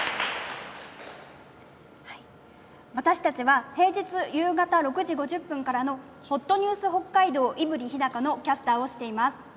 私たちは平日夕方６時５０分からの「ほっとニュース北海道いぶり・ひだか」のキャスターをしています。